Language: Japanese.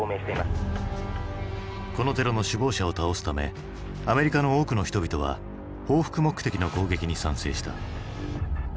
このテロの首謀者を倒すためアメリカの多くの人々は報復目的の攻撃に賛成した。